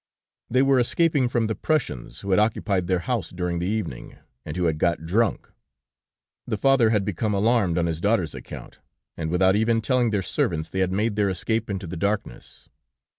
They were escaping from the Prussians, who had occupied their house during the evening, and who had got drunk, The father had become alarmed on his daughter's account, and, without even telling their servants, they had made their escape into the darkness.